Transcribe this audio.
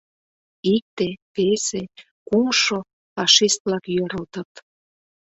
Икте, весе, кумшо... фашист-влак йӧрылтыт.